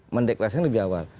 mendeklarasikan lebih awal